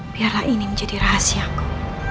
biarlah ini menjadi rahasiaku